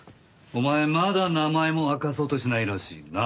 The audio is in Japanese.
お前まだ名前も明かそうとしないらしいな。